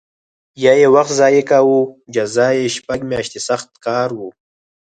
یا یې وخت ضایع کاوه جزا یې شپږ میاشتې سخت کار و